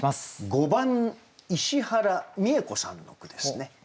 ５番石原美枝子さんの句ですね。